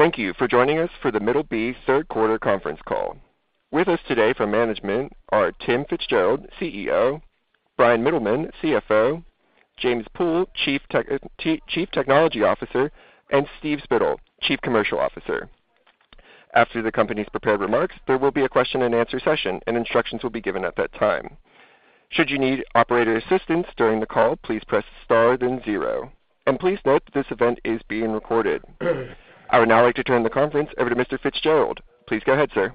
Thank you for joining us for the Middleby third quarter conference call. With us today from management are Tim Fitzgerald, CEO, Bryan Mittelman, CFO, James K. Pool III, Chief Technology Officer, and Steve Spittle, Chief Commercial Officer. After the company's prepared remarks, there will be a question-and-answer session, and instructions will be given at that time. Should you need operator assistance during the call, please press star then zero. Please note this event is being recorded. I would now like to turn the conference over to Mr. Fitzgerald. Please go ahead, sir.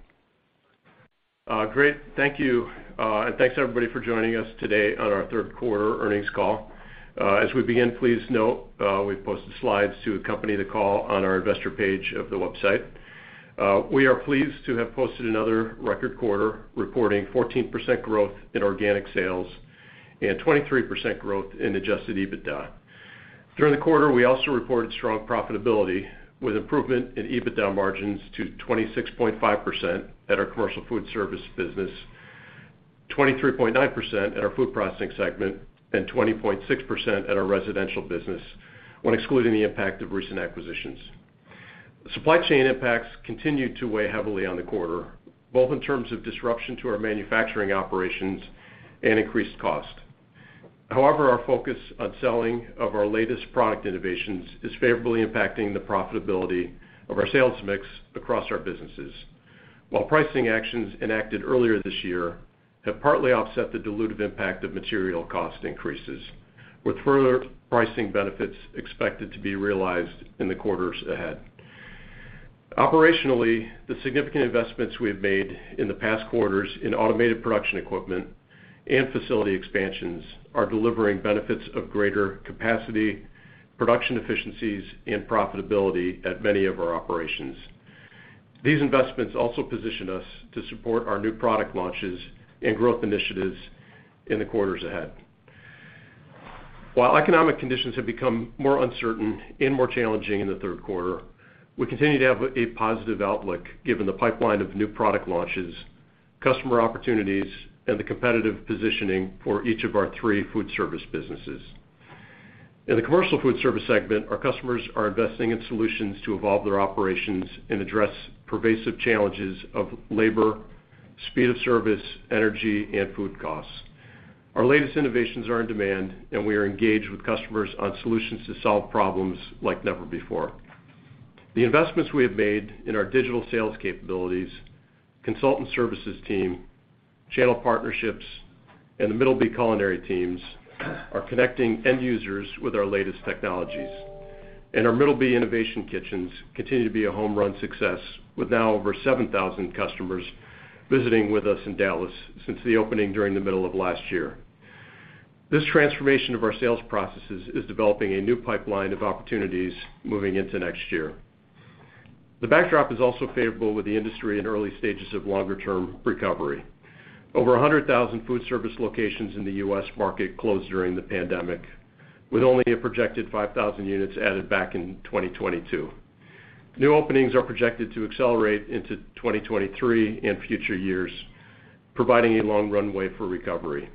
Great. Thank you. Thanks, everybody, for joining us today on our third quarter earnings call. As we begin, please note, we've posted slides to accompany the call on our investor page of the website. We are pleased to have posted another record quarter, reporting 14% growth in organic sales and 23% growth in adjusted EBITDA. During the quarter, we also reported strong profitability with improvement in EBITDA margins to 26.5% at our commercial food service business, 23.9% at our food processing segment, and 20.6% at our residential business when excluding the impact of recent acquisitions. Supply chain impacts continued to weigh heavily on the quarter, both in terms of disruption to our manufacturing operations and increased cost. However, our focus on selling of our latest product innovations is favorably impacting the profitability of our sales mix across our businesses. While pricing actions enacted earlier this year have partly offset the dilutive impact of material cost increases. With further pricing benefits expected to be realized in the quarters ahead. Operationally, the significant investments we have made in the past quarters in automated production equipment and facility expansions are delivering benefits of greater capacity, production efficiencies and profitability at many of our operations. These investments also position us to support our new product launches and growth initiatives in the quarters ahead. While economic conditions have become more uncertain and more challenging in the third quarter, we continue to have a positive outlook given the pipeline of new product launches, customer opportunities, and the competitive positioning for each of our three foodservice businesses. In the commercial food service segment, our customers are investing in solutions to evolve their operations and address pervasive challenges of labor, speed of service, energy, and food costs. Our latest innovations are in demand, and we are engaged with customers on solutions to solve problems like never before. The investments we have made in our digital sales capabilities, consultant services team, channel partnerships, and the Middleby culinary teams are connecting end users with our latest technologies. Our Middleby innovation kitchens continue to be a home run success with now over 7,000 customers visiting with us in Dallas since the opening during the middle of last year. This transformation of our sales processes is developing a new pipeline of opportunities moving into next year. The backdrop is also favorable with the industry in early stages of longer-term recovery. Over 100,000 food service locations in the U.S. market closed during the pandemic, with only a projected 5,000 units added back in 2022. New openings are projected to accelerate into 2023 and future years, providing a long runway for recovery.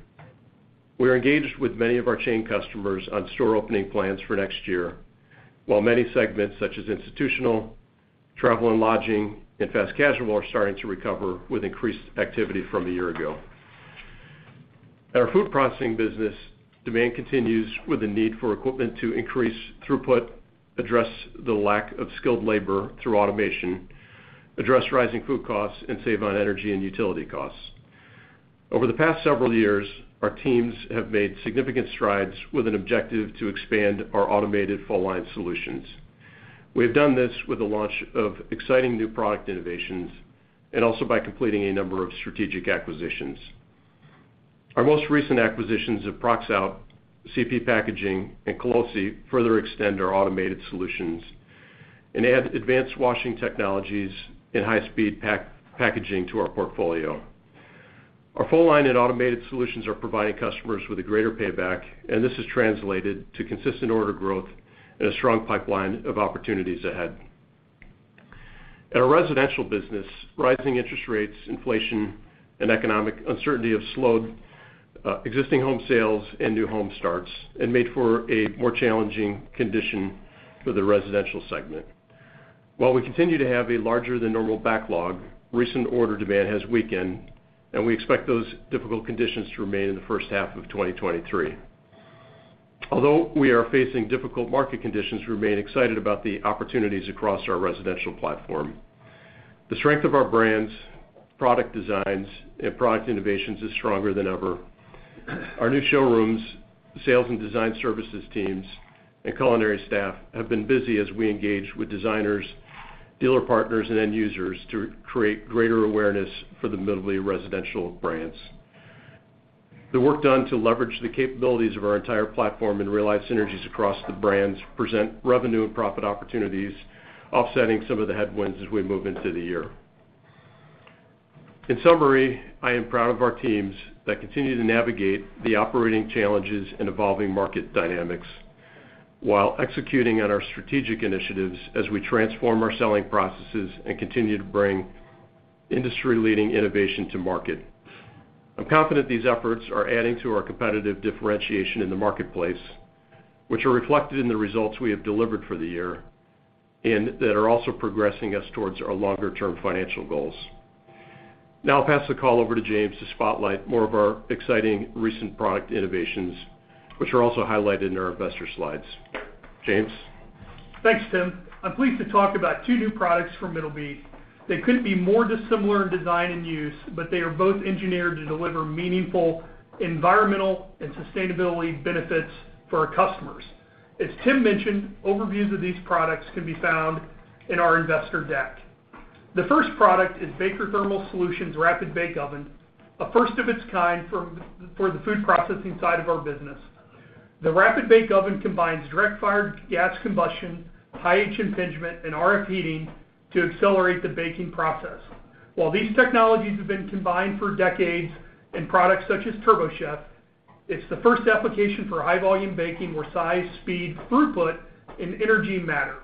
We are engaged with many of our chain customers on store opening plans for next year, while many segments such as institutional, travel and lodging, and fast casual are starting to recover with increased activity from a year ago. At our food processing business, demand continues with the need for equipment to increase throughput, address the lack of skilled labor through automation, address rising food costs, and save on energy and utility costs. Over the past several years, our teams have made significant strides with an objective to expand our automated full line solutions. We have done this with the launch of exciting new product innovations and also by completing a number of strategic acquisitions. Our most recent acquisitions of Proxaut, CP Packaging, and Colussi further extend our automated solutions and add advanced washing technologies and high-speed packaging to our portfolio. Our full line and automated solutions are providing customers with a greater payback, and this has translated to consistent order growth and a strong pipeline of opportunities ahead. At our residential business, rising interest rates, inflation, and economic uncertainty have slowed existing home sales and new home starts and made for a more challenging condition for the residential segment. While we continue to have a larger than normal backlog, recent order demand has weakened, and we expect those difficult conditions to remain in the first half of 2023. Although we are facing difficult market conditions, we remain excited about the opportunities across our residential platform. The strength of our brands, product designs, and product innovations is stronger than ever. Our new showrooms, sales and design services teams, and culinary staff have been busy as we engage with designers, dealer partners, and end users to create greater awareness for the Middleby residential brands. The work done to leverage the capabilities of our entire platform and realize synergies across the brands present revenue and profit opportunities, offsetting some of the headwinds as we move into the year. In summary, I am proud of our teams that continue to navigate the operating challenges and evolving market dynamics while executing on our strategic initiatives as we transform our selling processes and continue to bring industry-leading innovation to market. I'm confident these efforts are adding to our competitive differentiation in the marketplace, which are reflected in the results we have delivered for the year, and that are also progressing us towards our longer-term financial goals. Now I'll pass the call over to James to spotlight more of our exciting recent product innovations, which are also highlighted in our investor slides. James? Thanks, Tim. I'm pleased to talk about two new products from Middleby. They couldn't be more dissimilar in design and use, but they are both engineered to deliver meaningful environmental and sustainability benefits for our customers. As Tim mentioned, overviews of these products can be found in our investor deck. The first product is Baker Thermal Solutions' RapidBake Oven, a first of its kind for the food processing side of our business. The RapidBake Oven combines direct-fired gas combustion, high impingement, and RF heating to accelerate the baking process. While these technologies have been combined for decades in products such as TurboChef, it's the first application for high-volume baking where size, speed, throughput, and energy matter.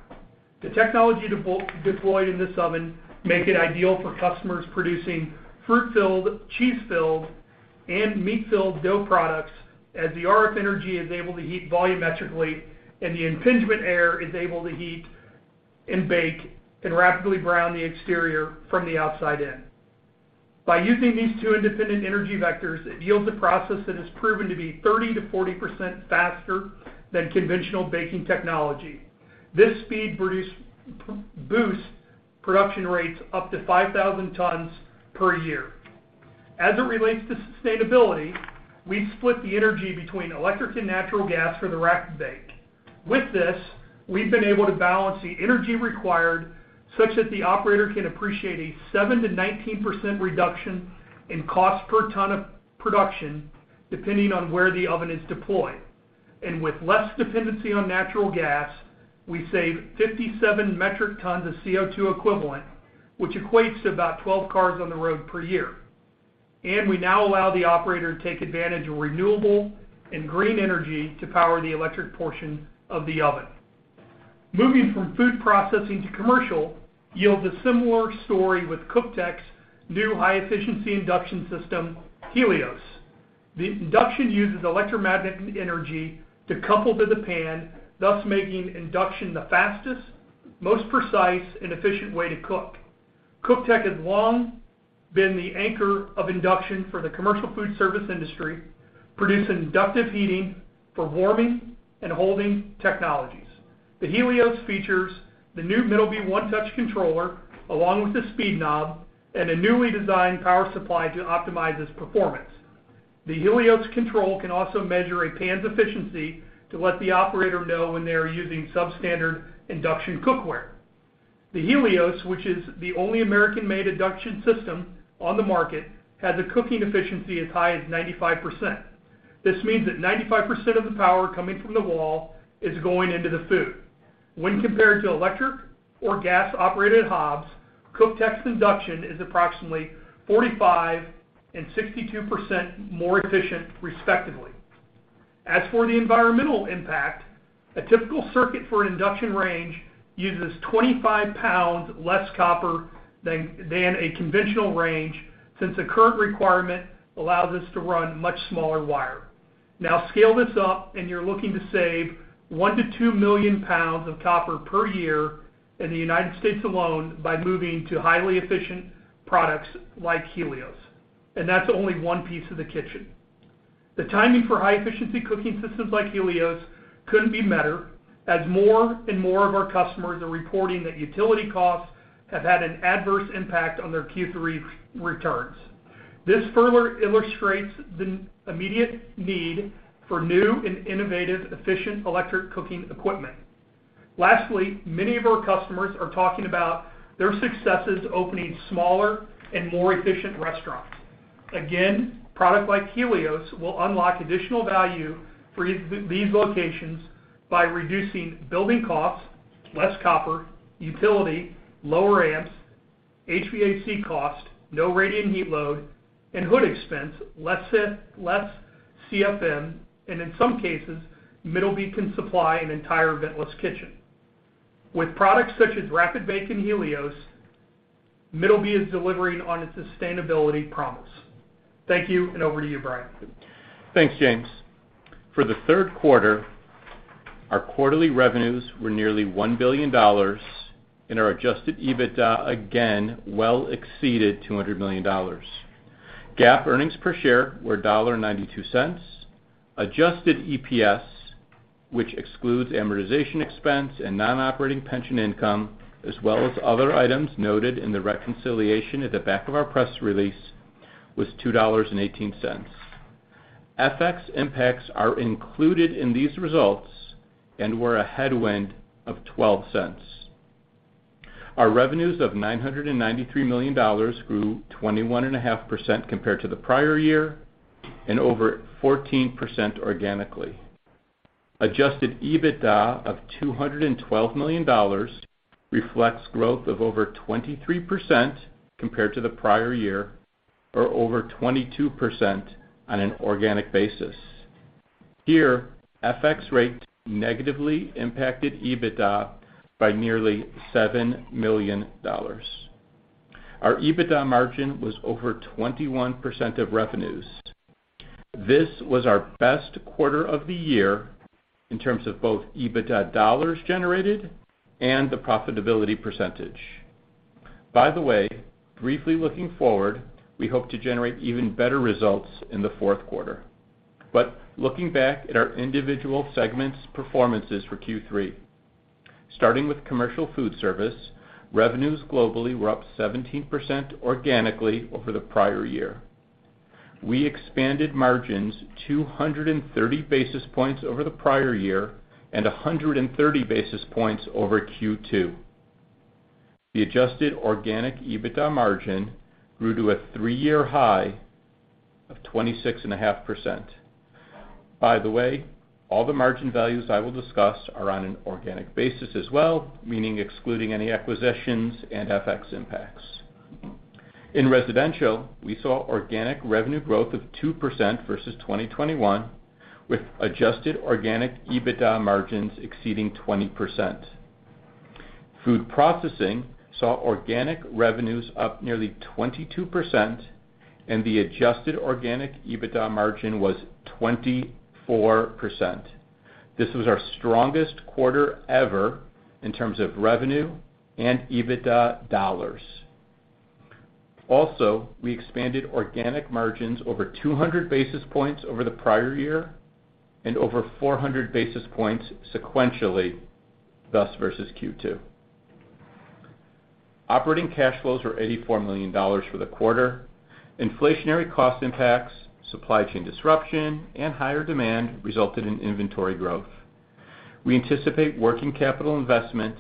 The technology deployed in this oven makes it ideal for customers producing fruit-filled, cheese-filled, and meat-filled dough products, as the RF energy is able to heat volumetrically, and the impingement air is able to heat and bake and rapidly brown the exterior from the outside in. By using these two independent energy vectors, it yields a process that has proven to be 30%-40% faster than conventional baking technology. This speed boosts production rates up to 5,000 tons per year. As it relates to sustainability, we've split the energy between electric and natural gas for the RapidBake. With this, we've been able to balance the energy required such that the operator can appreciate a 7%-19% reduction in cost per ton of production depending on where the oven is deployed. With less dependency on natural gas, we save 57 metric tons of CO2 equivalent, which equates to about 12 cars on the road per year. We now allow the operator to take advantage of renewable and green energy to power the electric portion of the oven. Moving from food processing to commercial yields a similar story with CookTek's new high-efficiency induction system, Helios. The induction uses electromagnetic energy to couple to the pan, thus making induction the fastest, most precise and efficient way to cook. CookTek has long been the anchor of induction for the commercial food service industry, producing inductive heating for warming and holding technologies. The Helios features the new Middleby one-touch controller, along with a speed knob and a newly designed power supply to optimize its performance. The Helios control can also measure a pan's efficiency to let the operator know when they are using substandard induction cookware. The Helios, which is the only American-made induction system on the market, has a cooking efficiency as high as 95%. This means that 95% of the power coming from the wall is going into the food. When compared to electric or gas-operated hobs, CookTek's induction is approximately 45% and 62% more efficient respectively. As for the environmental impact, a typical circuit for an induction range uses 25 pounds less copper than a conventional range, since the current requirement allows us to run much smaller wire. Now scale this up and you're looking to save 1-2 million pounds of copper per year in the United States alone by moving to highly efficient products like Helios, and that's only one piece of the kitchen. The timing for high-efficiency cooking systems like Helios couldn't be better, as more and more of our customers are reporting that utility costs have had an adverse impact on their Q3 returns. This further illustrates the immediate need for new and innovative, efficient electric cooking equipment. Lastly, many of our customers are talking about their successes opening smaller and more efficient restaurants. Again, product like Helios will unlock additional value for these locations by reducing building costs, less copper, utility, lower amps, HVAC cost, no radiant heat load, and hood expense, less CFM, and in some cases, Middleby can supply an entire ventless kitchen. With products such as RapidBake and Helios, Middleby is delivering on its sustainability promise. Thank you, and over to you, Bryan. Thanks, James Pool. For the third quarter, our quarterly revenues were nearly $1 billion, and our adjusted EBITDA again well exceeded $200 million. GAAP earnings per share were $1.92. Adjusted EPS, which excludes amortization expense and non-operating pension income, as well as other items noted in the reconciliation at the back of our press release, was $2.18. FX impacts are included in these results and were a headwind of $0.12. Our revenues of $993 million grew 21.5% compared to the prior year and over 14% organically. Adjusted EBITDA of $212 million reflects growth of over 23% compared to the prior year, or over 22% on an organic basis. Here, FX rate negatively impacted EBITDA by nearly $7 million. Our EBITDA margin was over 21% of revenues. This was our best quarter of the year in terms of both EBITDA dollars generated and the profitability percentage. By the way, briefly looking forward, we hope to generate even better results in the fourth quarter. Looking back at our individual segments performances for Q3, starting with commercial food service, revenues globally were up 17% organically over the prior year. We expanded margins 230 basis points over the prior year, and 130 basis points over Q2. The adjusted organic EBITDA margin grew to a three-year high of 26.5%. By the way, all the margin values I will discuss are on an organic basis as well, meaning excluding any acquisitions and FX impacts. In residential, we saw organic revenue growth of 2% versus 2021, with adjusted organic EBITDA margins exceeding 20%. Food processing saw organic revenues up nearly 22% and the adjusted organic EBITDA margin was 24%. This was our strongest quarter ever in terms of revenue and EBITDA dollars. Also, we expanded organic margins over 200 basis points over the prior year and over 400 basis points sequentially, this versus Q2. Operating cash flows were $84 million for the quarter. Inflationary cost impacts, supply chain disruption, and higher demand resulted in inventory growth. We anticipate working capital investment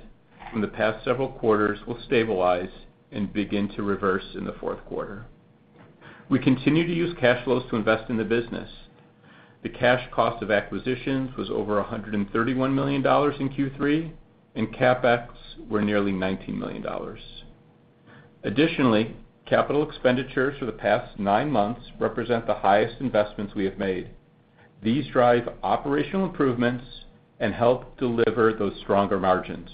from the past several quarters will stabilize and begin to reverse in the fourth quarter. We continue to use cash flows to invest in the business. The cash cost of acquisitions was over $131 million in Q3, and CapEx were nearly $19 million. Additionally, capital expenditures for the past nine months represent the highest investments we have made. These drive operational improvements and help deliver those stronger margins.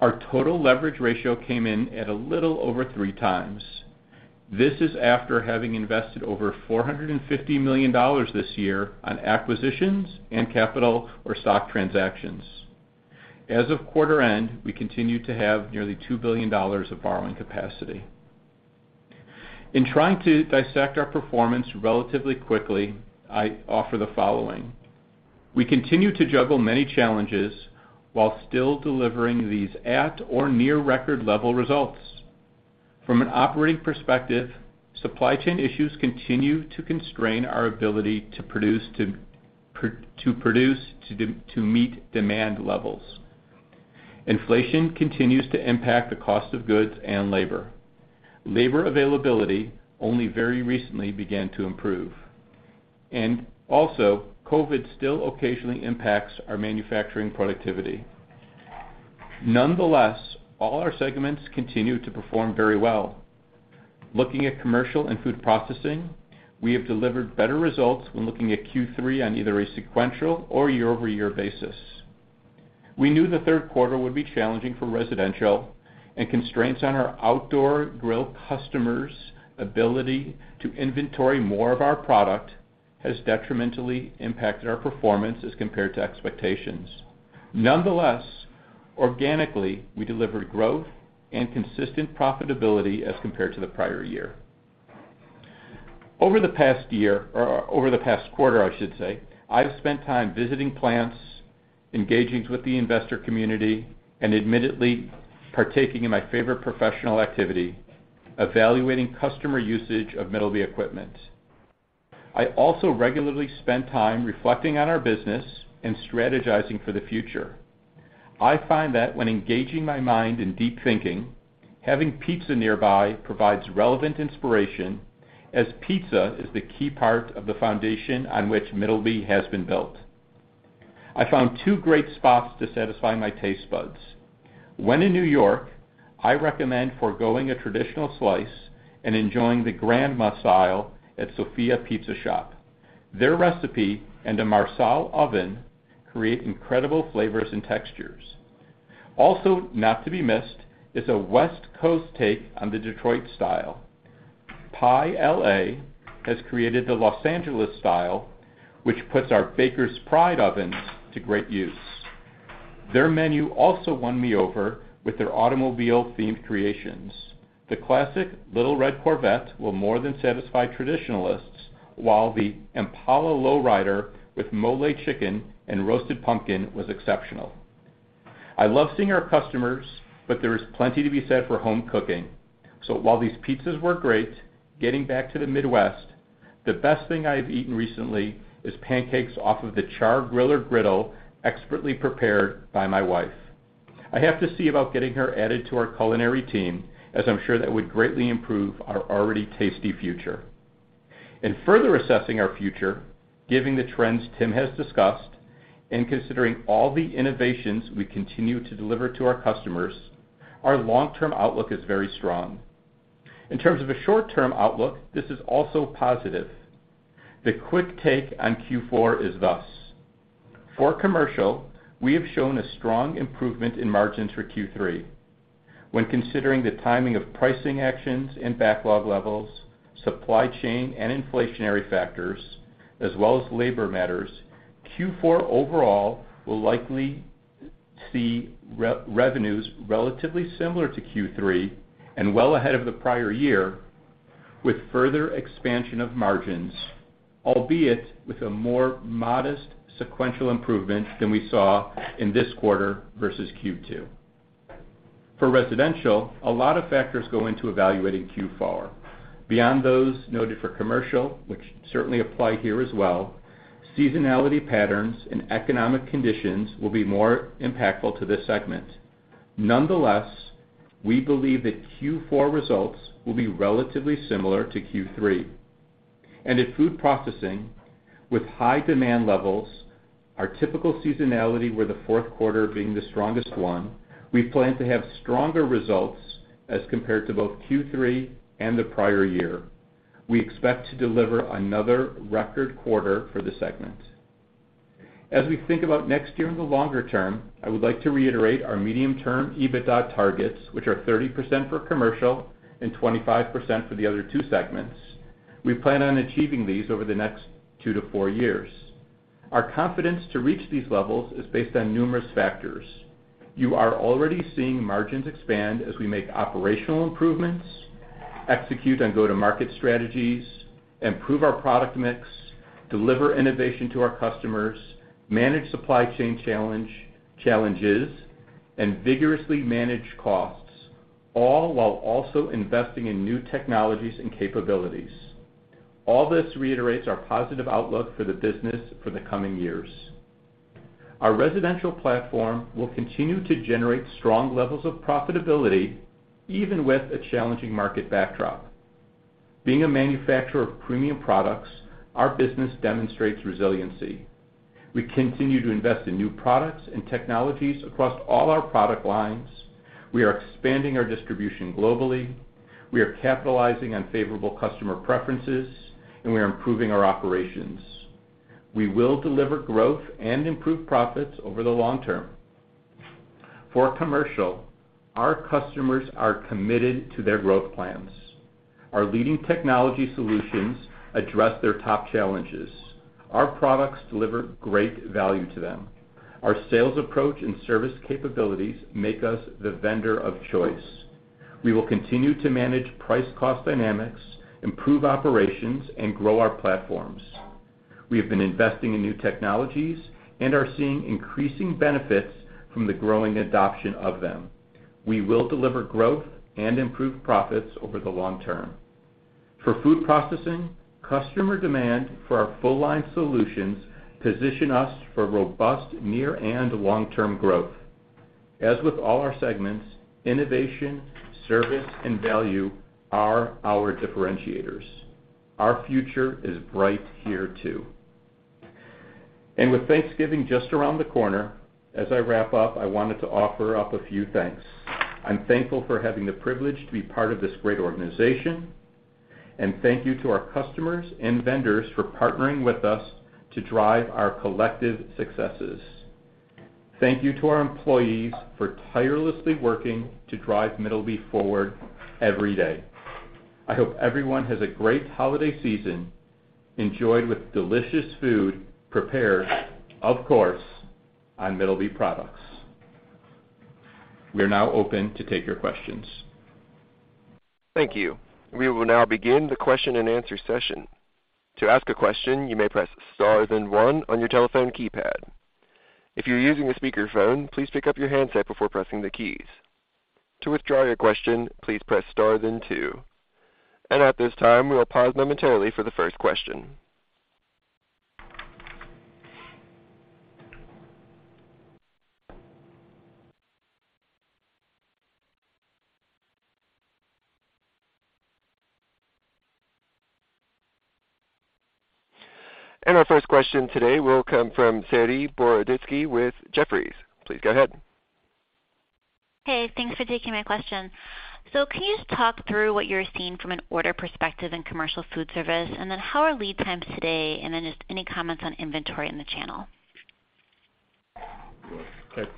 Our total leverage ratio came in at a little over 3x. This is after having invested over $450 million this year on acquisitions and capital or stock transactions. As of quarter end, we continue to have nearly $2 billion of borrowing capacity. In trying to dissect our performance relatively quickly, I offer the following. We continue to juggle many challenges while still delivering these at or near record level results. From an operating perspective, supply chain issues continue to constrain our ability to meet demand levels. Inflation continues to impact the cost of goods and labor. Labor availability only very recently began to improve. COVID still occasionally impacts our manufacturing productivity. Nonetheless, all our segments continue to perform very well. Looking at commercial and food processing, we have delivered better results when looking at Q3 on either a sequential or year-over-year basis. We knew the third quarter would be challenging for residential and constraints on our outdoor grill customers' ability to inventory more of our product has detrimentally impacted our performance as compared to expectations. Nonetheless, organically, we delivered growth and consistent profitability as compared to the prior year. Over the past year, or over the past quarter, I should say, I have spent time visiting plants, engaging with the investor community, and admittedly partaking in my favorite professional activity, evaluating customer usage of Middleby equipment. I also regularly spend time reflecting on our business and strategizing for the future. I find that when engaging my mind in deep thinking, having pizza nearby provides relevant inspiration as pizza is the key part of the foundation on which Middleby has been built. I found two great spots to satisfy my taste buds. When in New York, I recommend foregoing a traditional slice and enjoying the Grandma style at Sofia Pizza Shoppe. Their recipe and a Marsal oven create incredible flavors and textures. Also not to be missed is a West Coast take on the Detroit style. Pi LA has created the Los Angeles style, which puts our Bakers Pride ovens to great use. Their menu also won me over with their automobile-themed creations. The classic Little Red Corvette will more than satisfy traditionalists, while the Impala Lowrider with mole chicken and roasted pumpkin was exceptional. I love seeing our customers, but there is plenty to be said for home cooking. While these pizzas were great, getting back to the Midwest, the best thing I have eaten recently is pancakes off of the Char-Griller griddle expertly prepared by my wife. I have to see about getting her added to our culinary team, as I'm sure that would greatly improve our already tasty future. In further assessing our future, given the trends Tim has discussed, and considering all the innovations we continue to deliver to our customers, our long-term outlook is very strong. In terms of a short-term outlook, this is also positive. The quick take on Q4 is thus. For commercial, we have shown a strong improvement in margins for Q3. When considering the timing of pricing actions and backlog levels, supply chain and inflationary factors, as well as labor matters, Q4 overall will likely see revenues relatively similar to Q3 and well ahead of the prior year, with further expansion of margins, albeit with a more modest sequential improvement than we saw in this quarter versus Q2. For residential, a lot of factors go into evaluating Q4. Beyond those noted for commercial, which certainly apply here as well, seasonality patterns and economic conditions will be more impactful to this segment. Nonetheless, we believe that Q4 results will be relatively similar to Q3. In food processing, with high demand levels, our typical seasonality, with the fourth quarter being the strongest one, we plan to have stronger results as compared to both Q3 and the prior year. We expect to deliver another record quarter for the segment. As we think about next year and the longer term, I would like to reiterate our medium-term EBITDA targets, which are 30% for commercial and 25% for the other two segments. We plan on achieving these over the next two to four years. Our confidence to reach these levels is based on numerous factors. You are already seeing margins expand as we make operational improvements, execute on go-to-market strategies, improve our product mix, deliver innovation to our customers, manage supply chain challenges, and vigorously manage costs, all while also investing in new technologies and capabilities. All this reiterates our positive outlook for the business for the coming years. Our residential platform will continue to generate strong levels of profitability, even with a challenging market backdrop. Being a manufacturer of premium products, our business demonstrates resiliency. We continue to invest in new products and technologies across all our product lines. We are expanding our distribution globally. We are capitalizing on favorable customer preferences, and we are improving our operations. We will deliver growth and improve profits over the long term. For commercial, our customers are committed to their growth plans. Our leading technology solutions address their top challenges. Our products deliver great value to them. Our sales approach and service capabilities make us the vendor of choice. We will continue to manage price-cost dynamics, improve operations, and grow our platforms. We have been investing in new technologies and are seeing increasing benefits from the growing adoption of them. We will deliver growth and improve profits over the long term. For food processing, customer demand for our full line solutions position us for robust near and long-term growth. As with all our segments, innovation, service, and value are our differentiators. Our future is bright here too. With Thanksgiving just around the corner, as I wrap up, I wanted to offer up a few thanks. I'm thankful for having the privilege to be part of this great organization, and thank you to our customers and vendors for partnering with us to drive our collective successes. Thank you to our employees for tirelessly working to drive Middleby forward every day. I hope everyone has a great holiday season enjoyed with delicious food prepared, of course, on Middleby products. We are now open to take your questions. Thank you. We will now begin the question-and-answer session. To ask a question, you may press star then one on your telephone keypad. If you're using a speakerphone, please pick up your handset before pressing the keys. To withdraw your question, please press star then two. At this time, we will pause momentarily for the first question. Our first question today will come from Saree Boroditsky with Jefferies. Please go ahead. Hey, thanks for taking my question. Can you just talk through what you're seeing from an order perspective in commercial foodservice? How are lead times today? Just any comments on inventory in the channel? Okay.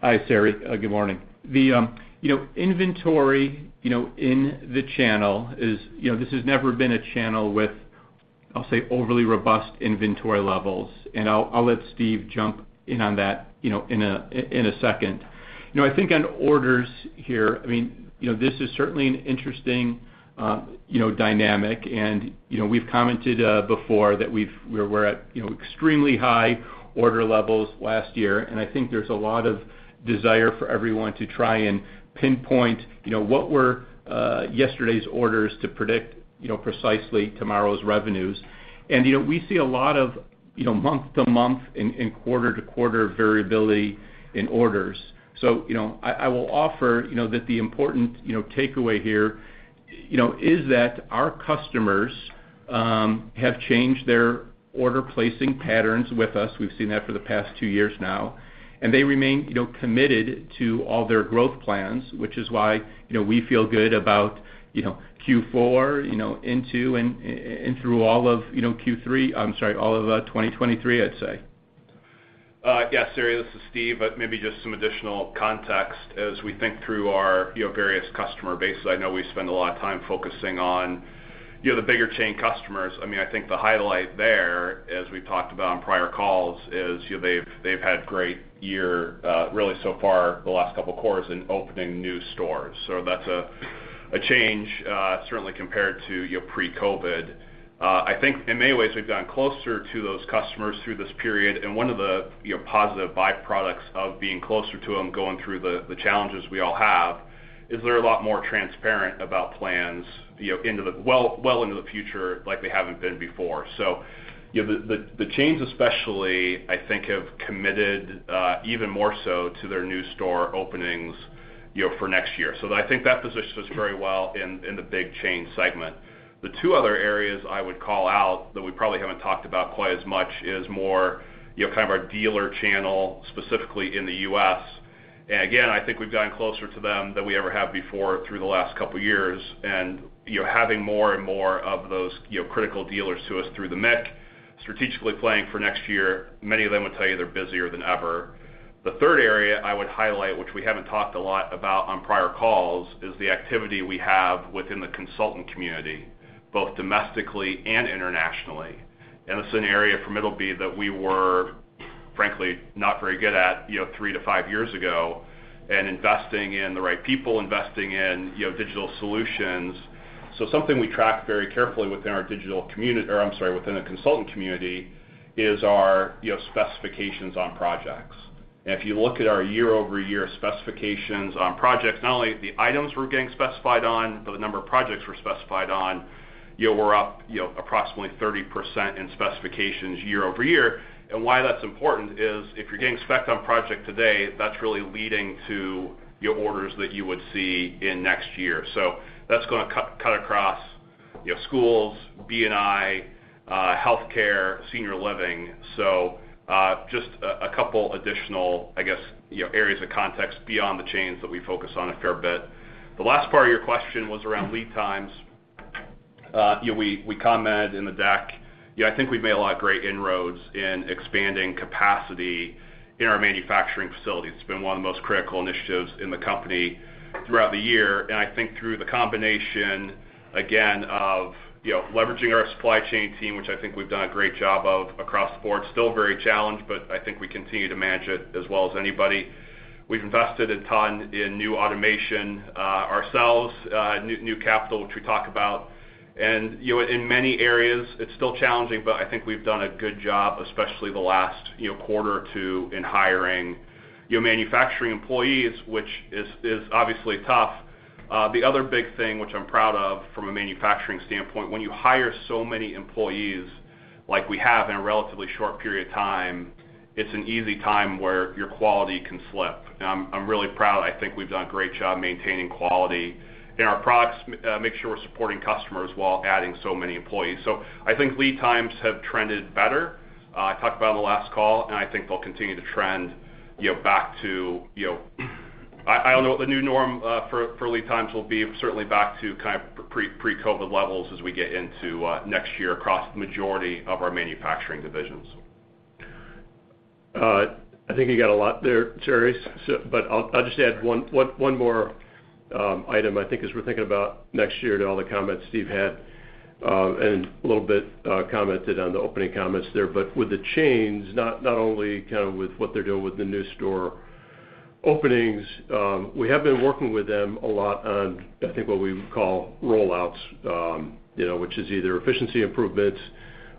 Hi, Saree. Good morning. The you know inventory you know in the channel is you know this has never been a channel with, I'll say, overly robust inventory levels. I'll let Steve jump in on that you know in a second. You know I think on orders here I mean you know this is certainly an interesting you know dynamic. You know we've commented before that we were at you know extremely high order levels last year and I think there's a lot of desire for everyone to try and pinpoint you know what were yesterday's orders to predict you know precisely tomorrow's revenues. You know we see a lot of you know month to month and quarter to quarter variability in orders. you know, I will offer you know that the important you know takeaway here you know is that our customers have changed their order placing patterns with us. We've seen that for the past two years now, and they remain you know committed to all their growth plans, which is why you know we feel good about you know Q4 you know into and through all of 2023, I'd say. Yes, Saree, this is Steve, but maybe just some additional context as we think through our, you know, various customer base. I know we spend a lot of time focusing on, you know, the bigger chain customers. I mean, I think the highlight there, as we've talked about on prior calls, is, you know, they've had great year really so far the last couple of quarters in opening new stores. That's a change, certainly compared to, you know, pre-COVID. I think in many ways we've gotten closer to those customers through this period, and one of the, you know, positive byproducts of being closer to them going through the challenges we all have is they're a lot more transparent about plans, you know, well into the future like they haven't been before. You know, the chains especially, I think, have committed even more so to their new store openings, you know, for next year. I think that positions us very well in the big chain segment. The two other areas I would call out that we probably haven't talked about quite as much is more, you know, kind of our dealer channel, specifically in the U.S. Again, I think we've gotten closer to them than we ever have before through the last couple of years, and you know, having more and more of those, you know, critical dealers to us through the MIC strategically planning for next year, many of them would tell you they're busier than ever. The third area I would highlight, which we haven't talked a lot about on prior calls, is the activity we have within the consultant community, both domestically and internationally. This is an area for Middleby that we were frankly not very good at, you know, three to five years ago and investing in the right people, investing in, you know, digital solutions. Something we track very carefully within the consultant community is our, you know, specifications on projects. If you look at our year-over-year specifications on projects, not only the items we're getting specified on, but the number of projects we're specified on, you know, we're up, you know, approximately 30% in specifications year-over-year. Why that's important is if you're getting spec on project today, that's really leading to your orders that you would see in next year. That's gonna cut across, you know, schools, B&I, healthcare, senior living. Just a couple additional, I guess, you know, areas of context beyond the chains that we focus on a fair bit. The last part of your question was around lead times. You know, we comment in the deck. You know, I think we've made a lot of great inroads in expanding capacity in our manufacturing facilities. It's been one of the most critical initiatives in the company throughout the year. I think through the combination, again, of, you know, leveraging our supply chain team, which I think we've done a great job of across the board, still very challenged, but I think we continue to manage it as well as anybody. We've invested a ton in new automation, ourselves, new capital, which we talk about. You know, in many areas it's still challenging, but I think we've done a good job, especially the last, you know, quarter or two in hiring, you know, manufacturing employees, which is obviously tough. The other big thing which I'm proud of from a manufacturing standpoint, when you hire so many employees like we have in a relatively short period of time, it's an easy time where your quality can slip. I'm really proud. I think we've done a great job maintaining quality in our products, make sure we're supporting customers while adding so many employees. I think lead times have trended better, I talked about on the last call, and I think they'll continue to trend, you know, back to, you know. I don't know what the new norm for lead times will be, certainly back to kind of pre-COVID levels as we get into next year across the majority of our manufacturing divisions. I think you got a lot there, Saree, but I'll just add one more item I think as we're thinking about next year to all the comments Steve had, and a little bit commented on the opening comments there. With the chains, not only kind of with what they're doing with the new store openings, we have been working with them a lot on, I think, what we would call rollouts, you know, which is either efficiency improvements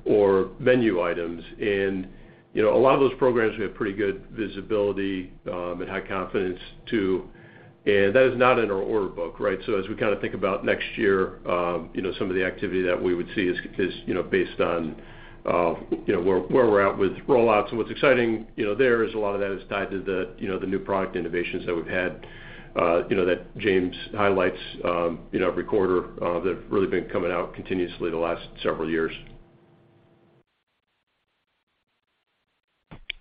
or menu items. You know, a lot of those programs we have pretty good visibility, and high confidence to, and that is not in our order book, right? As we kind of think about next year, you know, some of the activity that we would see is, you know, based on, you know, where we're at with rollouts. What's exciting, you know, there is a lot of that is tied to the, you know, the new product innovations that we've had, you know, that James highlights, you know, every quarter, that have really been coming out continuously the last several years.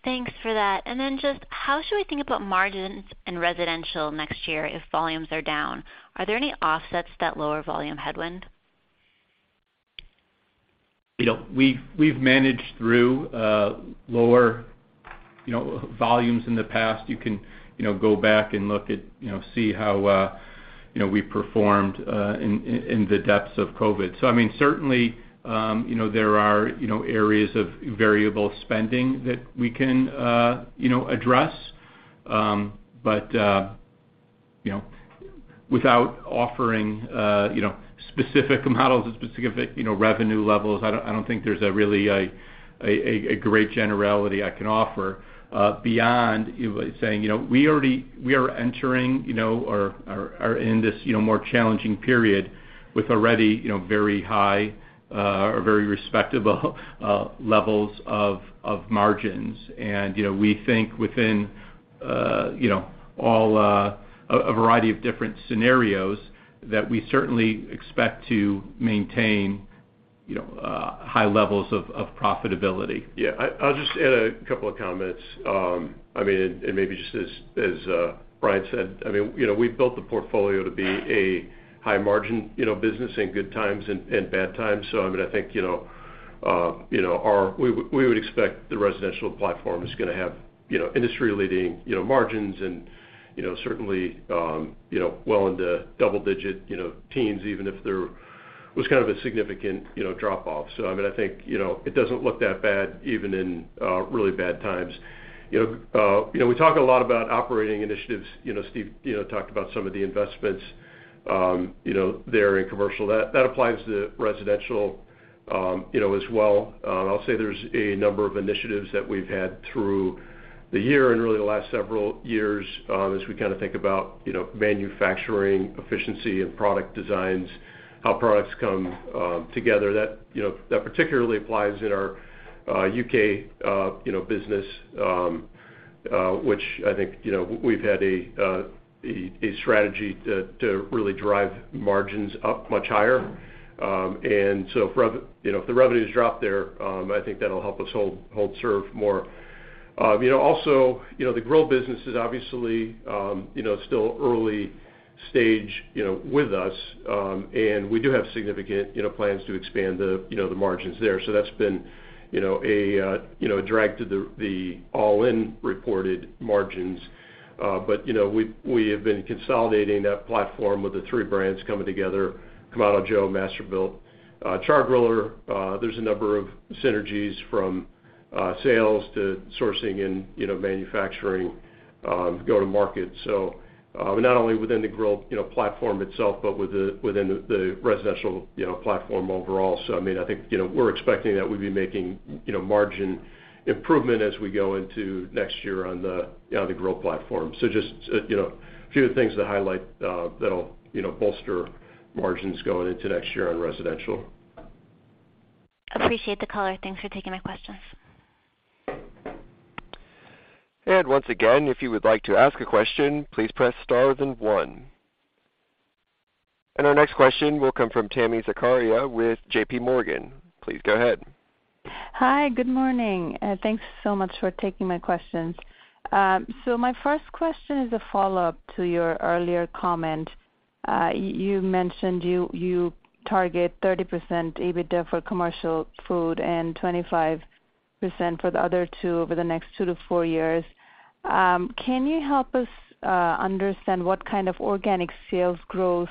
Thanks for that. Just how should we think about margins in residential next year if volumes are down? Are there any offsets to that lower volume headwind? You know, we've managed through lower, you know, volumes in the past. You can, you know, go back and look at, you know, see how we performed in the depths of COVID. I mean, certainly, you know, there are, you know, areas of variable spending that we can, you know, address. You know, without offering, you know, specific models and specific, you know, revenue levels, I don't think there's really a great generality I can offer beyond saying, you know, we already we are entering, you know, or are in this, you know, more challenging period with already, you know, very high or very respectable levels of margins. You know, we think within, you know, all, a variety of different scenarios that we certainly expect to maintain. You know, high levels of profitability. Yeah, I'll just add a couple of comments. I mean, maybe just as Brian said, I mean, you know, we've built the portfolio to be a high margin, you know, business in good times and bad times. I mean, I think, you know, we would expect the residential platform is gonna have, you know, industry-leading, you know, margins and, you know, certainly, you know, well into double-digit, you know, teens, even if there was kind of a significant, you know, drop-off. I mean, I think, you know, it doesn't look that bad even in really bad times. You know, we talk a lot about operating initiatives, you know, Steve, you know, talked about some of the investments, you know, there in commercial. That applies to residential, you know, as well. I'll say there's a number of initiatives that we've had through the year and really the last several years, as we kinda think about, you know, manufacturing efficiency and product designs, how products come together. That particularly applies in our U.K. business, which I think, you know, we've had a strategy to really drive margins up much higher. If the revenues drop there, you know, I think that'll help us hold serve more. You know, also, the grill business is obviously still early stage with us. We do have significant plans to expand the margins there. That's been, you know, a drag to the all-in reported margins. You know, we have been consolidating that platform with the three brands coming together, Kamado Joe, Masterbuilt, Char-Griller. There's a number of synergies from sales to sourcing and, you know, manufacturing, go-to-market. Not only within the grill platform itself, but within the residential platform overall. I mean, I think, you know, we're expecting that we'd be making, you know, margin improvement as we go into next year on the grill platform. Just, you know, a few of the things to highlight, that'll, you know, bolster margins going into next year on residential. Appreciate the color. Thanks for taking my questions. Once again, if you would like to ask a question, please press star then one. Our next question will come from Tami Zakaria with JPMorgan. Please go ahead. Hi, good morning, and thanks so much for taking my questions. My first question is a follow-up to your earlier comment. You mentioned you target 30% EBITDA for Commercial Food and 25% for the other two over the next two to four years. Can you help us understand what kind of organic sales growth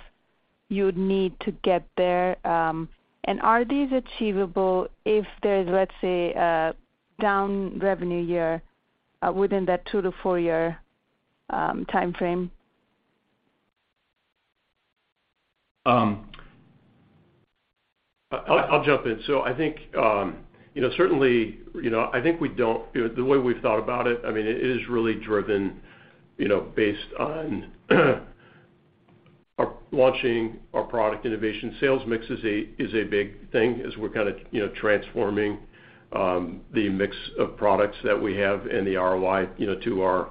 you would need to get there? Are these achievable if there's, let's say, a down revenue year within that two to four year timeframe? I'll jump in. I think, you know, certainly, you know, the way we've thought about it, I mean, it is really driven, you know, based on our launching our product innovation. Sales mix is a big thing as we're kinda, you know, transforming the mix of products that we have and the ROI, you know, to our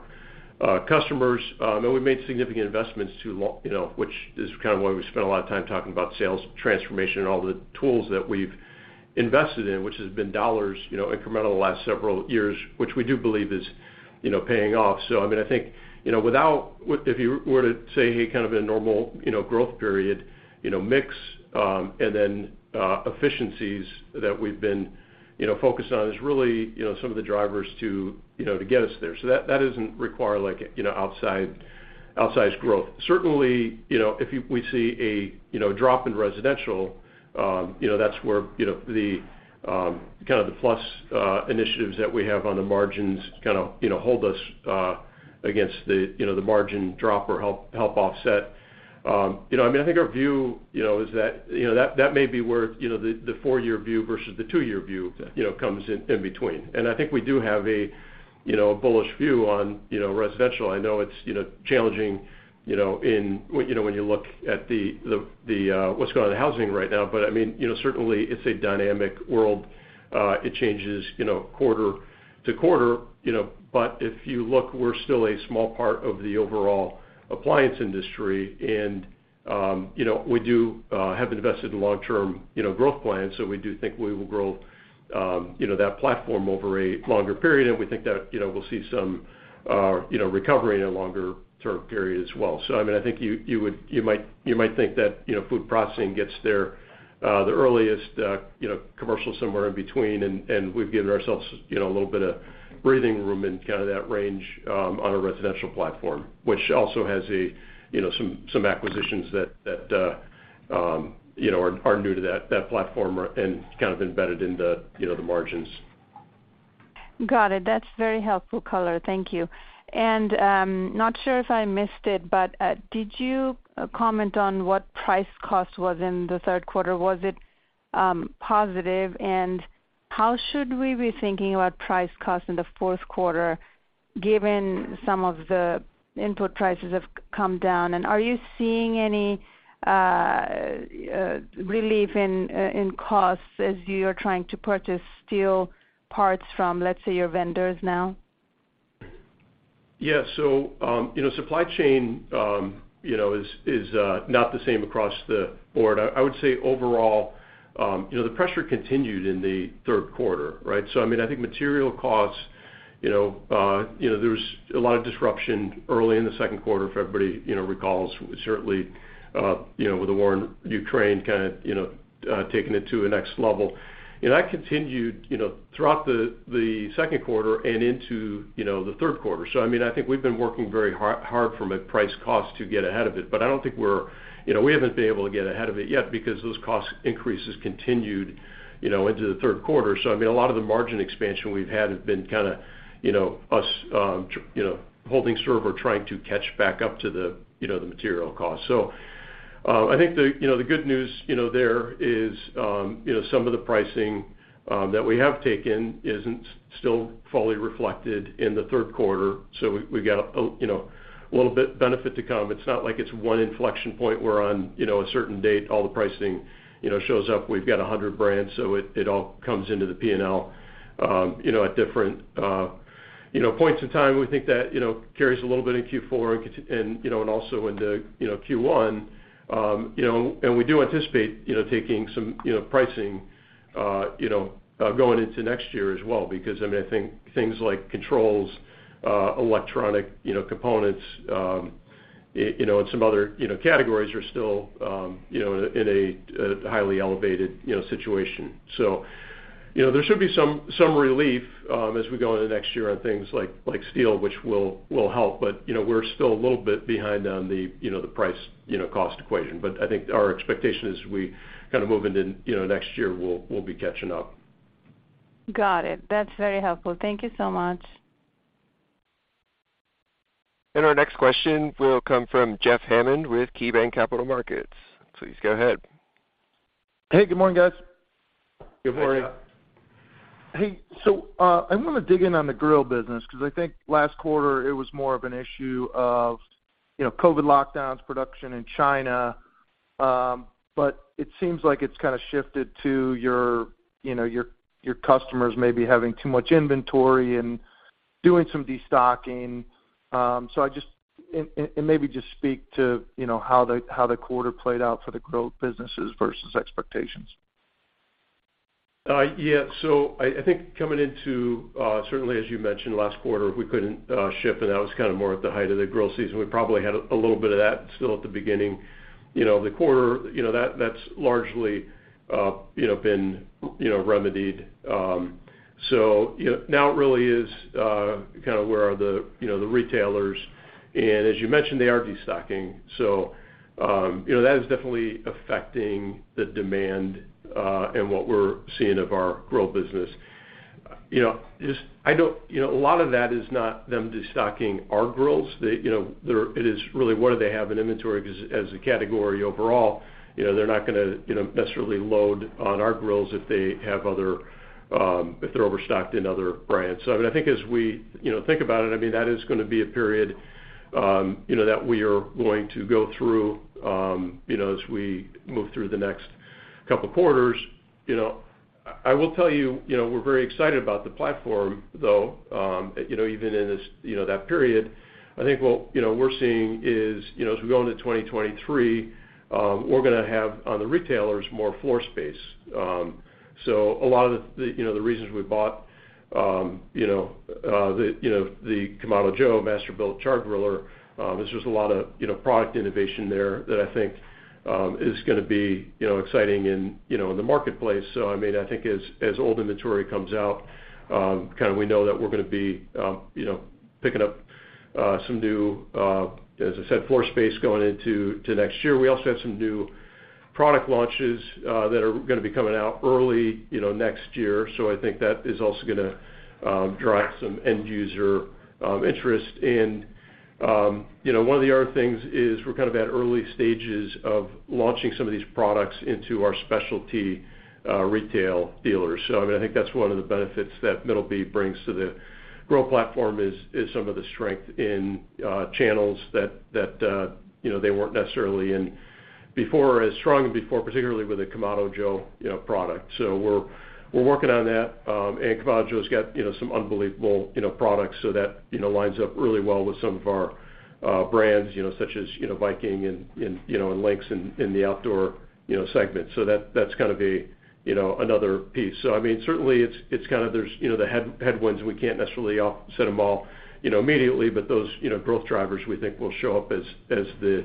customers. We've made significant investments, you know, which is kind of why we spent a lot of time talking about sales transformation and all the tools that we've invested in, which has been dollars, you know, incremental the last several years, which we do believe is, you know, paying off. I mean, I think, you know, if you were to say, hey, kind of in a normal, you know, growth period, you know, mix, and then, efficiencies that we've been, you know, focused on is really, you know, some of the drivers to, you know, to get us there. That doesn't require like, you know, outsized growth. Certainly, you know, if we see a, you know, drop in residential, you know, that's where, you know, the kinda plus initiatives that we have on the margins kind of, you know, hold us against the, you know, the margin drop or help offset. You know, I mean, I think our view is that that may be where the four-year view versus the two-year view comes in between. I think we do have a bullish view on residential. I know it's challenging when you look at the what's going on in housing right now. I mean, you know, certainly it's a dynamic world. It changes quarter to quarter, but if you look, we're still a small part of the overall appliance industry. You know, we do have invested in long-term growth plans, so we do think we will grow that platform over a longer period. We think that, you know, we'll see some recovery in a longer sort of period as well. I mean, I think you might think that, you know, food processing gets there the earliest, you know, commercial somewhere in between. We've given ourselves, you know, a little bit of breathing room in kind of that range, on a residential platform, which also has, you know, some acquisitions that are new to that platform and kind of embedded in the, you know, the margins. Got it. That's very helpful color. Thank you. Not sure if I missed it, but did you comment on what price cost was in the third quarter? Was it positive? How should we be thinking about price cost in the fourth quarter, given some of the input prices have come down? Are you seeing any relief in costs as you are trying to purchase steel parts from, let's say, your vendors now? Yeah. You know, supply chain you know is not the same across the board. I would say overall you know the pressure continued in the third quarter, right? I mean, I think material costs you know you know there was a lot of disruption early in the second quarter if everybody you know recalls, certainly you know with the war in Ukraine kind of you know taking it to a next level. That continued you know throughout the second quarter and into you know the third quarter. I mean, I think we've been working very hard from a price cost to get ahead of it. I don't think we're you know we haven't been able to get ahead of it yet because those cost increases continued you know into the third quarter. I mean, a lot of the margin expansion we've had has been kinda, you know, us, you know, holding serve or trying to catch back up to the, you know, the material cost. I think the, you know, the good news, you know, there is, you know, some of the pricing that we have taken isn't still fully reflected in the third quarter. We got, you know, a little bit benefit to come. It's not like it's one inflection point where on, you know, a certain date, all the pricing, you know, shows up. We've got 100 brands, so it all comes into the P&L, you know, at different, you know, points in time. We think that, you know, carries a little bit in Q4 and, you know, and also into, you know, Q1. You know, we do anticipate, you know, taking some, you know, pricing, you know, going into next year as well. Because, I mean, I think things like controls, electronic, you know, components, you know, and some other, you know, categories are still, you know, in a highly elevated, you know, situation. So, you know, there should be some relief as we go into next year on things like steel, which will help. You know, we're still a little bit behind on the, you know, the price, you know, cost equation. I think our expectation is we kind of move into, you know, next year, we'll be catching up. Got it. That's very helpful. Thank you so much. Our next question will come from Jeffrey Hammond with KeyBanc Capital Markets. Please go ahead. Hey, good morning, guys. Good morning. Hey. I wanna dig in on the grill business, because I think last quarter it was more of an issue of, you know, COVID lockdowns, production in China. But it seems like it's kinda shifted to your, you know, customers maybe having too much inventory and doing some destocking. Maybe just speak to, you know, how the quarter played out for the grill businesses versus expectations. Yeah. I think coming into, certainly as you mentioned last quarter, we couldn't ship, and that was kind of more at the height of the grill season. We probably had a little bit of that still at the beginning. You know, the quarter, you know, that's largely been remedied. You know, now it really is kind of where are the retailers. As you mentioned, they are destocking. You know, that is definitely affecting the demand and what we're seeing of our grill business. You know, just I know. You know, a lot of that is not them destocking our grills. They, you know, it is really what they have in inventory as a category overall. You know, they're not gonna, you know, necessarily load on our grills if they have other, if they're overstocked in other brands. I mean, I think as we, you know, think about it, I mean, that is gonna be a period, you know, that we are going to go through, you know, as we move through the next couple quarters. You know, I will tell you know, we're very excited about the platform though, you know, even in this, you know, that period. I think what, you know, we're seeing is, you know, as we go into 2023, we're gonna have on the retailers more floor space. A lot of the, you know, the reasons we bought, you know, the Kamado Joe Masterbuilt Char-Griller, is there's a lot of, you know, product innovation there that I think, is gonna be, you know, exciting in, you know, in the marketplace. I mean, I think as old inventory comes out, kind of we know that we're gonna be, you know, picking up, some new, as I said, floor space going into next year. We also have some new product launches, that are gonna be coming out early, you know, next year. I think that is also gonna, drive some end user, interest. One of the other things is we're kind of at early stages of launching some of these products into our specialty retail dealers. I mean, I think that's one of the benefits that Middleby brings to the grill platform, is some of the strength in channels that you know, they weren't necessarily in before, as strong before, particularly with the Kamado Joe product. So we're working on that. Kamado Joe's got you know, some unbelievable products. So that you know, lines up really well with some of our brands, you know, such as Viking and Lynx in the outdoor segment. So that's gonna be you know, another piece. I mean, certainly it's kind of there, you know, the headwinds, we can't necessarily offset them all, you know, immediately, but those, you know, growth drivers we think will show up as the,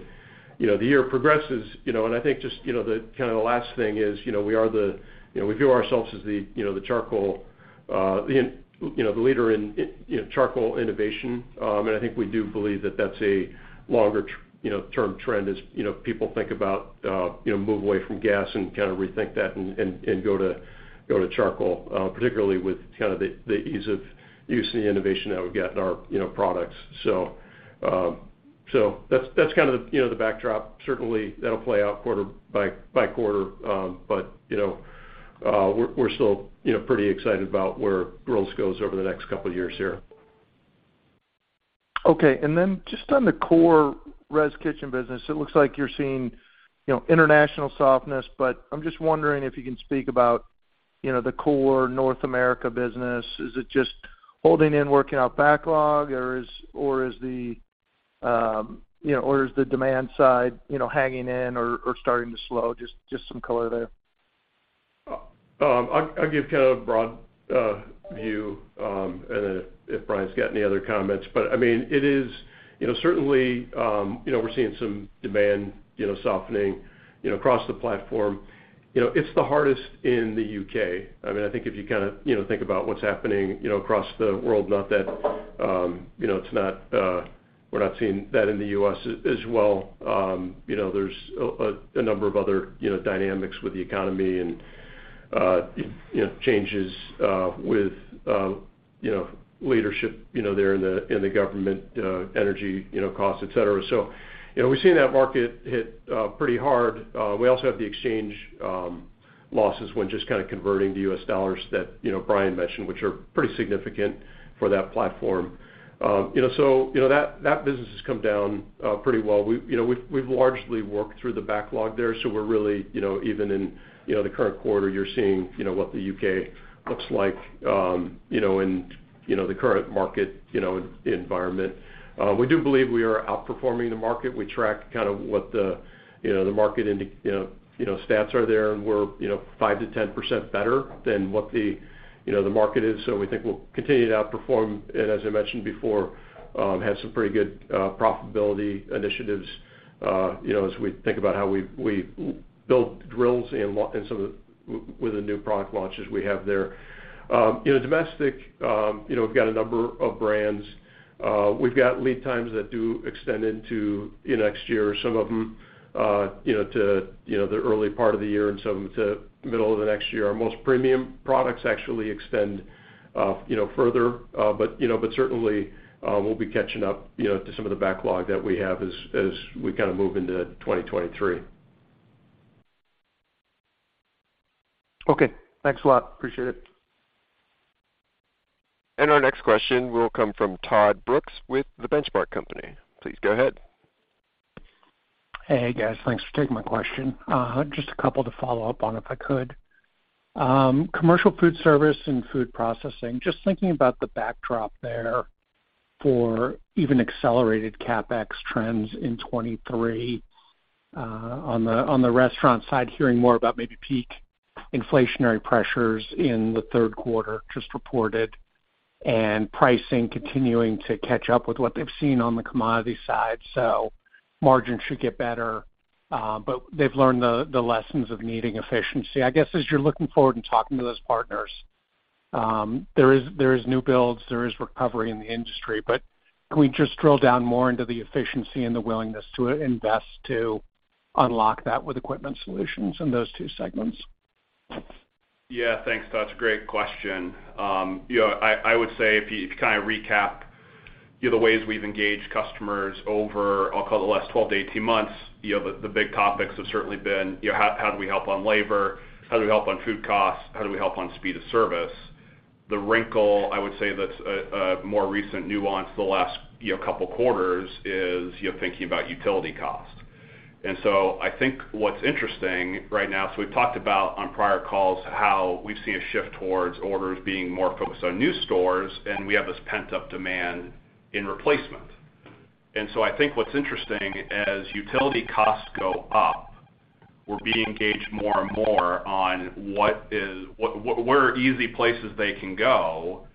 you know, the year progresses. You know, I think just, you know, the kind of last thing is, you know, we are the, you know, we view ourselves as the, you know, the charcoal, you know, the leader in, you know, charcoal innovation. And I think we do believe that that's a longer term trend as, you know, people think about, you know, move away from gas and kind of rethink that and go to charcoal, particularly with kind of the ease of use and the innovation that we've got in our, you know, products. That's kind of the, you know, the backdrop. Certainly that'll play out quarter by quarter. You know, we're still, you know, pretty excited about where grills goes over the next couple years here. Okay. Just on the core res kitchen business, it looks like you're seeing, you know, international softness, but I'm just wondering if you can speak about You know, the core North America business, is it just holding in, working out backlog or is the demand side, you know, hanging in or starting to slow? Just some color there. I'll give kind of a broad view, and then if Bryan's got any other comments. I mean, it is. You know, certainly, you know, we're seeing some demand, you know, softening, you know, across the platform. You know, it's the hardest in the U.K. I mean, I think if you kind of, you know, think about what's happening, you know, across the world, not that, you know, it's not, we're not seeing that in the U.S. as well. You know, there's a number of other, you know, dynamics with the economy and, you know, changes, with, you know, leadership, you know, there in the, in the government, energy, you know, costs, et cetera. You know, we've seen that market hit pretty hard. We also have the exchange losses when just kind of converting to U.S. dollars that, you know, Bryan mentioned, which are pretty significant for that platform. You know, that business has come down pretty well. We’ve largely worked through the backlog there, so we’re really, you know, even in the current quarter, you’re seeing, you know, what the U.K. looks like, you know, in the current market, you know, environment. We do believe we are outperforming the market. We track kind of what the, you know, the market stats are there, and we’re, you know, 5%-10% better than what the, you know, the market is. We think we'll continue to outperform, and as I mentioned before, have some pretty good profitability initiatives, you know, as we think about how we build grills with the new product launches we have there. You know, domestic, you know, we've got a number of brands. We've got lead times that do extend into, you know, next year, some of them, you know, to, you know, the early part of the year and some to middle of the next year. Our most premium products actually extend, you know, further. But certainly, we'll be catching up, you know, to some of the backlog that we have as we kind of move into 2023. Okay. Thanks a lot. Appreciate it. Our next question will come from Todd Brooks with The Benchmark Company. Please go ahead. Hey guys, thanks for taking my question. Just a couple to follow up on, if I could. Commercial food service and food processing, just thinking about the backdrop there for even accelerated CapEx trends in 2023, on the restaurant side, hearing more about maybe peak inflationary pressures in the third quarter just reported and pricing continuing to catch up with what they've seen on the commodity side. Margins should get better, but they've learned the lessons of needing efficiency. I guess, as you're looking forward and talking to those partners, there is new builds, there is recovery in the industry, but can we just drill down more into the efficiency and the willingness to invest to unlock that with equipment solutions in those two segments? Yeah. Thanks, Todd. Great question. You know, I would say if you kind of recap the ways we've engaged customers over, I'll call it the last 12-18 months. You know, the big topics have certainly been you know, how do we help on labor? How do we help on food costs? How do we help on speed of service? The wrinkle, I would say, that's a more recent nuance the last couple quarters is you know, thinking about utility cost. I think what's interesting right now, so we've talked about on prior calls how we've seen a shift towards orders being more focused on new stores, and we have this pent-up demand in replacement. I think what's interesting, as utility costs go up, we're being engaged more and more on what, where are easy places they can go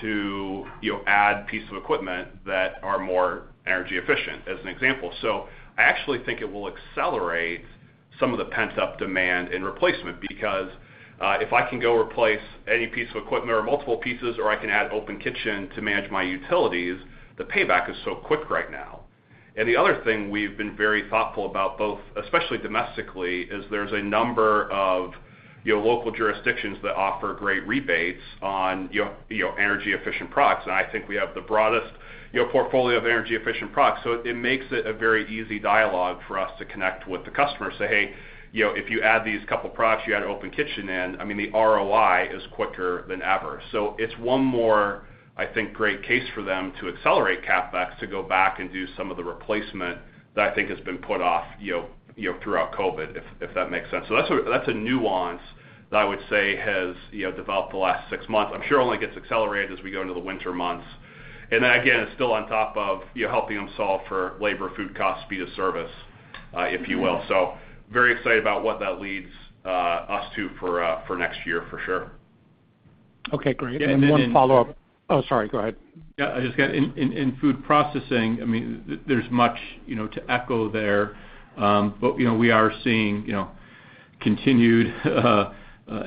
to, you know, add pieces of equipment that are more energy efficient, as an example. I actually think it will accelerate some of the pent-up demand in replacement because, if I can go replace any piece of equipment or multiple pieces, or I can add Open Kitchen to manage my utilities, the payback is so quick right now. The other thing we've been very thoughtful about, both, especially domestically, is there's a number of, you know, local jurisdictions that offer great rebates on, you know, energy efficient products. I think we have the broadest, you know, portfolio of energy efficient products. It makes it a very easy dialogue for us to connect with the customer and say, "Hey, you know, if you add these couple products, you add Open Kitchen in, I mean, the ROI is quicker than ever." It's one more, I think, great case for them to accelerate CapEx to go back and do some of the replacement that I think has been put off, you know, throughout COVID, if that makes sense. That's a nuance that I would say has, you know, developed the last six months, I'm sure only gets accelerated as we go into the winter months. Then again, it's still on top of, you know, helping them solve for labor, food costs, speed of service, if you will. Very excited about what that leads us to for next year, for sure. Okay, great. And then in- One follow-up. Oh, sorry. Go ahead. In food processing, I mean, there's much to like there. We are seeing continued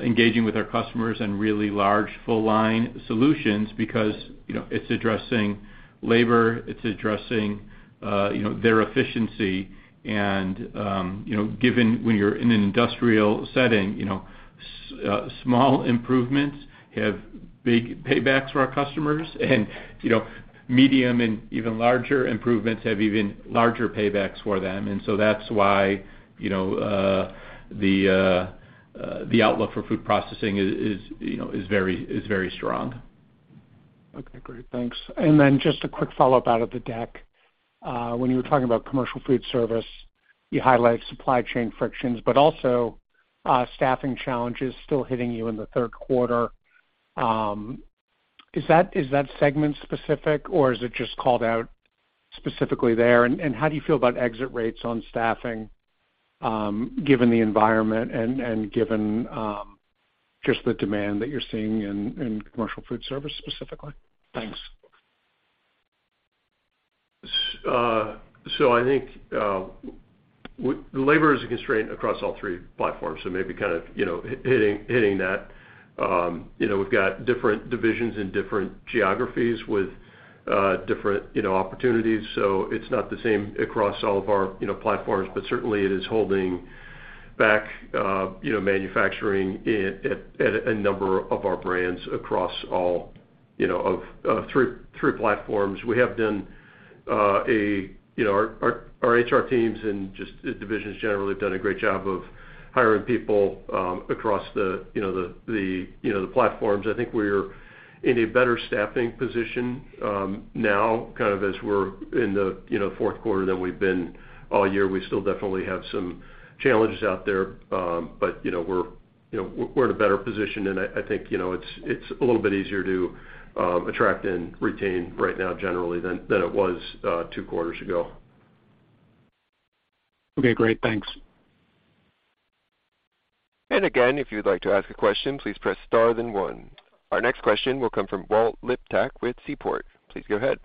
engaging with our customers and really large full-line solutions because it's addressing labor, it's addressing their efficiency. Given when you're in an industrial setting, small improvements have big paybacks for our customers. Medium and even larger improvements have even larger paybacks for them. That's why the outlook for food processing is very strong. Okay, great. Thanks. Then just a quick follow-up out of the deck. When you were talking about commercial food service, you highlighted supply chain frictions, but also, staffing challenges still hitting you in the third quarter. Is that segment specific, or is it just called out specifically there? And how do you feel about exit rates on staffing, given the environment and given just the demand that you're seeing in commercial food service specifically? Thanks. I think the labor is a constraint across all three platforms. Maybe kind of, you know, hitting that. You know, we've got different divisions in different geographies with different, you know, opportunities. It's not the same across all of our, you know, platforms, but certainly it is holding back, you know, manufacturing at a number of our brands across all, you know, of three platforms. You know, our HR teams and just divisions generally have done a great job of hiring people across the platforms. I think we're in a better staffing position now, kind of as we're in the, you know, fourth quarter than we've been all year. We still definitely have some challenges out there, but, you know, we're in a better position, and I think, you know, it's a little bit easier to attract and retain right now generally than it was two quarters ago. Okay, great. Thanks. Again, if you'd like to ask a question, please press star then one. Our next question will come from Walt Liptak with Seaport. Please go ahead.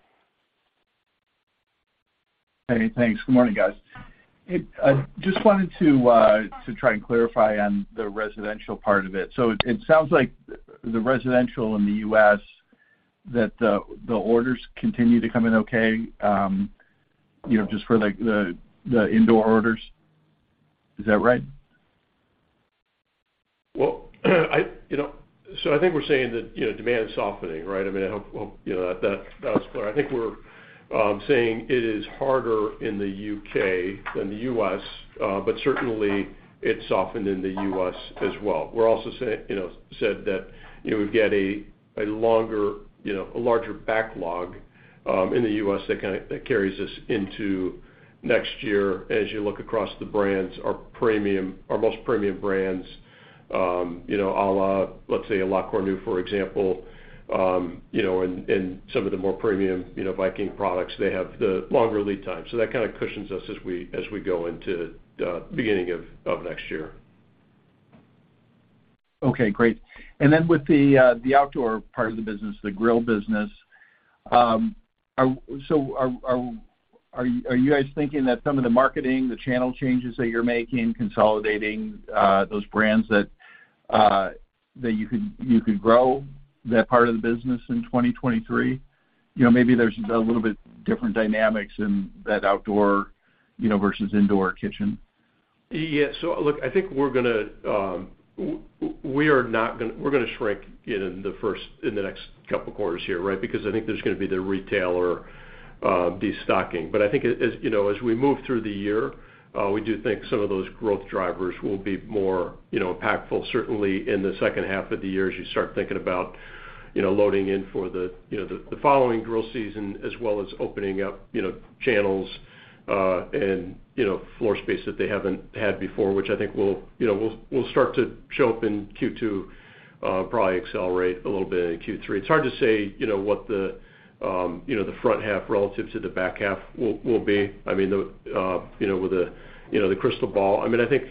Hey, thanks. Good morning, guys. I just wanted to try and clarify on the residential part of it. It sounds like the residential in the U.S., that the orders continue to come in okay, you know, just for, like, the indoor orders. Is that right? Well, you know, I think we're saying that, you know, demand is softening, right? I mean, I hope, you know, that was clear. I think we're saying it is harder in the U.K. than the U.S., but certainly it softened in the U.S. as well. We're also saying, you know, that, you know, we've got a larger backlog in the U.S. that carries us into next year. As you look across the brands, our premium, our most premium brands, you know, a la, let's say, La Cornue, for example, you know, and some of the more premium, you know, Viking products, they have the longer lead time. That kinda cushions us as we go into the beginning of next year. Okay, great. With the outdoor part of the business, the grill business, are you guys thinking that some of the marketing, the channel changes that you're making, consolidating those brands that you could grow that part of the business in 2023? You know, maybe there's a little bit different dynamics in that outdoor, you know, versus indoor kitchen. Yeah. Look, I think we're gonna shrink in the next couple quarters here, right? Because I think there's gonna be the retailer destocking. I think as, you know, as we move through the year, we do think some of those growth drivers will be more, you know, impactful, certainly in the second half of the year as you start thinking about, you know, loading in for the, you know, the following grill season as well as opening up, you know, channels and, you know, floor space that they haven't had before, which I think will, you know, start to show up in Q2, probably accelerate a little bit in Q3. It's hard to say, you know, what the front half relative to the back half will be. I mean, you know, with the crystal ball. I mean, I think,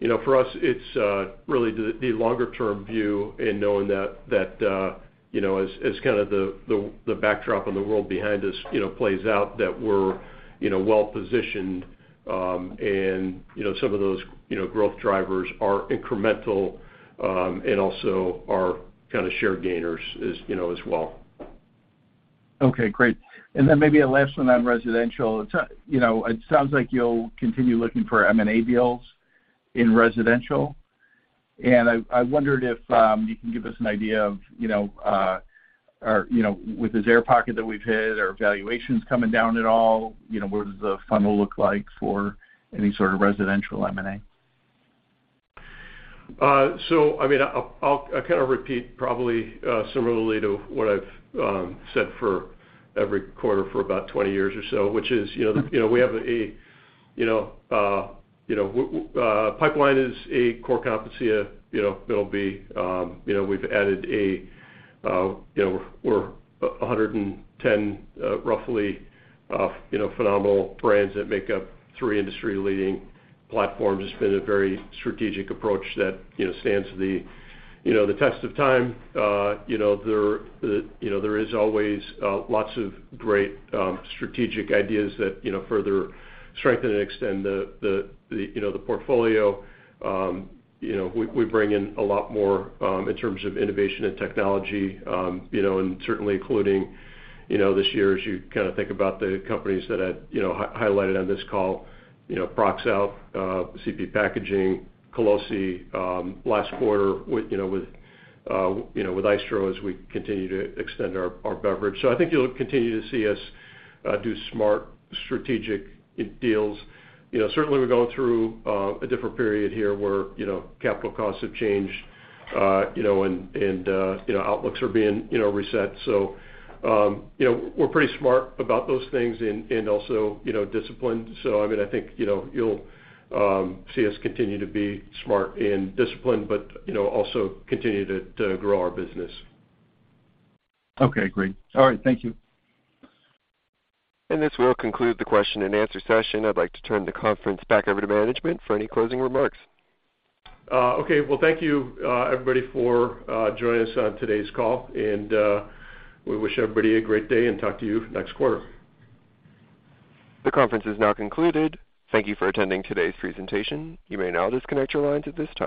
you know, for us, it's really the longer-term view and knowing that you know, as kind of the backdrop in the world behind us, you know, plays out that we're, you know, well-positioned. You know, some of those, you know, growth drivers are incremental and also are kinda share gainers as, you know, as well. Okay, great. Maybe a last one on residential. You know, it sounds like you'll continue looking for M&A deals in residential. I wondered if you can give us an idea of, you know, or, you know, with this air pocket that we've hit, are valuations coming down at all? You know, what does the funnel look like for any sort of residential M&A? I mean, I'll kinda repeat probably similarly to what I've said for every quarter for about 20 years or so, which is, you know. You know, we have a pipeline is a core competency. You know, it'll be, you know, we've added, you know, we're roughly 110 phenomenal brands that make up three industry-leading platforms. It's been a very strategic approach that, you know, stands the you know the test of time. You know, there is always lots of great strategic ideas that, you know, further strengthen and extend the you know the portfolio. You know, we bring in a lot more in terms of innovation and technology, you know, and certainly including this year as you kinda think about the companies that I highlighted on this call. You know, Proxaut, CP Packaging, Colussi, last quarter with Icetro as we continue to extend our beverage. I think you'll continue to see us do smart strategic deals. You know, certainly we're going through a different period here where capital costs have changed, you know, and outlooks are being reset. You know, we're pretty smart about those things and also disciplined.I mean, I think, you know, you'll see us continue to be smart and disciplined, but, you know, also continue to grow our business. Okay, great. All right, thank you. This will conclude the question and answer session. I'd like to turn the conference back over to management for any closing remarks. Okay. Well, thank you, everybody for joining us on today's call, and we wish everybody a great day and talk to you next quarter. The conference is now concluded. Thank you for attending today's presentation. You may now disconnect your lines at this time.